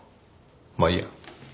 まあいいや。